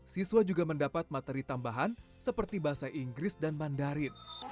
siswa juga mendapat materi tambahan seperti bahasa inggris dan mandarin